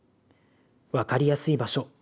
分かりやすい場所。